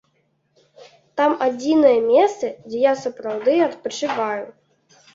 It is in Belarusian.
Там адзінае месца, дзе я сапраўды адпачываю.